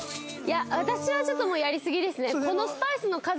私はちょっともうやりすぎですね。